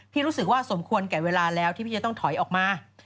รู้สึกว่าสมควรแก่เวลาแล้วที่พี่จะต้องถอยออกมา